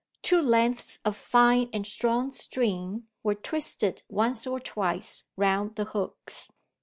Two lengths of fine and strong string were twisted once or twice round the hooks.